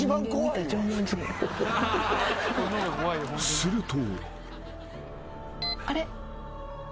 ［すると］